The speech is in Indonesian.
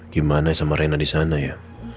gimana sama rena di sana ya